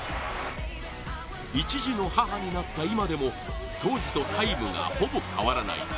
１児の母になった今でも当時とタイムがほぼ変わらない。